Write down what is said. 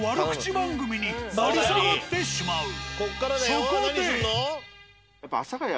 そこで。